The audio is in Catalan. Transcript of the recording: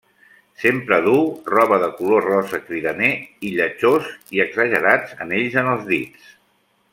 Sempre duu roba de color rosa cridaner, i lletjos i exagerats anells en els dits.